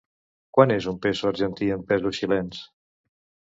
Quant és un peso argentí en pesos xilens?